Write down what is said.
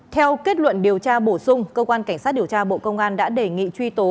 theo kết luận điều tra bổ sung cơ quan cảnh sát điều tra bộ công an đã đề nghị truy tố